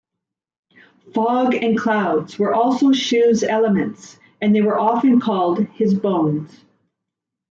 Fog and clouds were also Shu's elements and they were often called his bones.